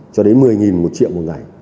cho đến một mươi một triệu một ngày